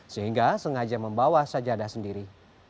sehingga sengaja membawa sajadah sendiri